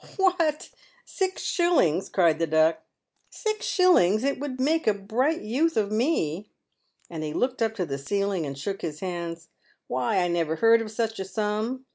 " What ! six shillings !" cried the Duck, " six shillings !— it would make a bright youth of me." And he looked up to the ceiling, and shook his hands. " Why, I never heard of such a sum.